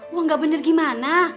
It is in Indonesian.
uang gak bener gimana